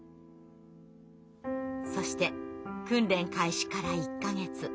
そして訓練開始から１か月。